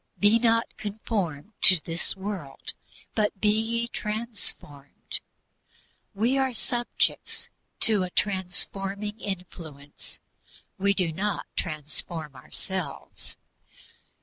"Be not conformed to this world, but be ye transformed" we are subjects to transforming influence, we do not transform ourselves.